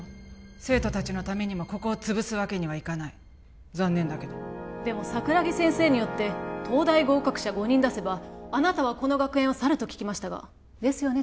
生徒達のためにもここをつぶすわけにはいかない残念だけどでも桜木先生によって東大合格者５人出せばあなたはこの学園を去ると聞きましたがですよね？